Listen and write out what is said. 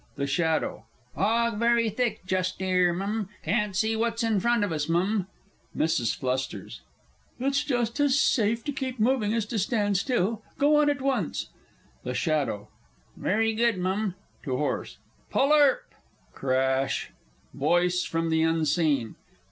THE SHADOW. Fog very thick just 'ere, M'm. Can't see what's in front of us, M'm. MRS. F. It's just as safe to keep moving as to stand still go on at once. THE S. Very good, M'm. (To horse.) Pull urp! [Crash! VOICE FROM THE UNSEEN.